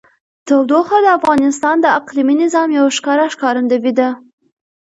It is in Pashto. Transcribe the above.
تودوخه د افغانستان د اقلیمي نظام یوه ښکاره ښکارندوی ده.